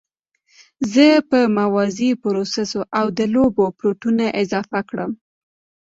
زه به موازي پروسس او د لوبو پورټونه اضافه کړم